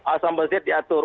asambel z diatur